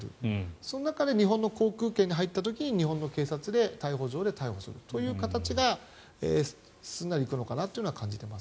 その中で日本の航空圏に入った時に日本の警察で逮捕状で逮捕するという形がすんなりいくのかなとは感じてます。